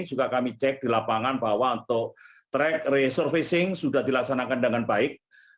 juga kami cek di lapangan bahwa untuk track resurfacing sudah dilaksanakan dengan baik